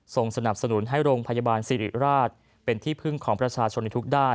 ส่งสนับสนุนให้โรงพยาบาลสิริราชเป็นที่พึ่งของประชาชนในทุกด้าน